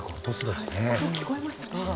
音聞こえましたね。